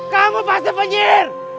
kamu pasti penyihir